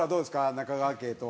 中川家とは。